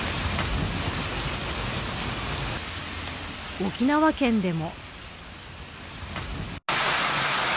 沖縄県でも。